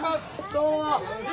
どうも。